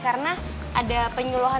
karena ada penyuluhan tentunya nih ya kan